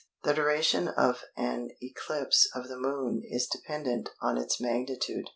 The duration of an eclipse of the Moon is dependent on its magnitude.